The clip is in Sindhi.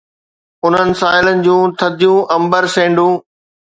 انهن ساحلن جون ٿڌيون امبر سينڊون